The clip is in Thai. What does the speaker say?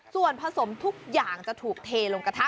ส่วนผสมทุกอย่างจะถูกเทลงกระทะ